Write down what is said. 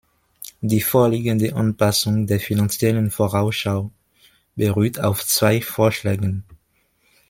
Die vorliegende Anpassung der Finanziellen Vorausschau beruht auf zwei Vorschlägen.